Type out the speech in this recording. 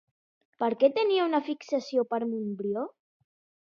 Per què tenia una fixació per Montbrió?